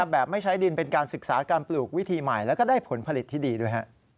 แบบไม่ใช้ดินเป็นการศึกษาการปลูกวิธีใหม่แล้วก็ได้ผลผลิตที่ดีด้วย